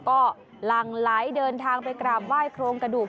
ก็หลั่งไหลเดินทางไปกราบไหว้โครงกระดูก